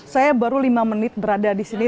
saya baru lima menit berada di sini